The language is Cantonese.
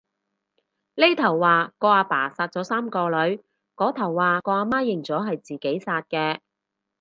呢頭話個阿爸殺咗三個女，嗰頭話個阿媽認咗係自己殺嘅